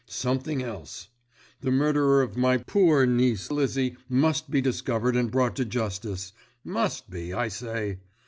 Something else. The murderer of my poor niece Lizzie must be discovered and brought to justice must be, I say!